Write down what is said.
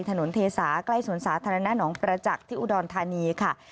เทสาใกล้สวนสาธารณะหนองประจักษ์ที่อุดรธานีค่ะ